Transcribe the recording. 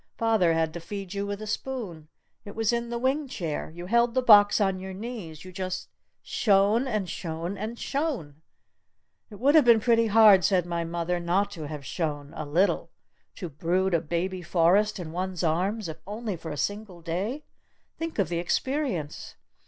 Father had to feed you with a spoon! It was in the wing chair! You held the box on your knees! You just shone and shone and shone!" "It would have been pretty hard," said my mother, "not to have shone a little! To brood a baby forest in one's arms if only for a single day ? Think of the experience!"